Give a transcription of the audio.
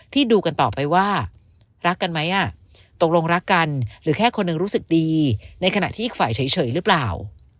ดูกันต่อไปว่ารักกันไหมตกลงรักกันหรือแค่คนหนึ่งรู้สึกดีในขณะที่อีกฝ่ายเฉยหรือเปล่า